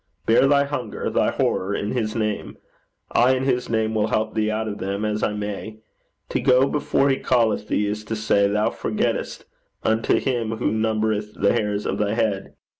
Bear thy hunger, thy horror in his name. I in his name will help thee out of them, as I may. To go before he calleth thee, is to say 'Thou forgettest,' unto him who numbereth the hairs of thy head.